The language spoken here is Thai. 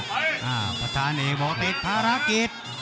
ประธานเอกบอกติดภารกิจ